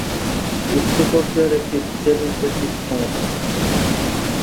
উচ্চ পর্যায়ের একটি টেলিপ্যাথিক ক্ষমতা।